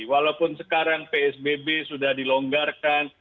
walaupun sekarang psbb sudah dilonggarkan